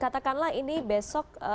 katakanlah ini besok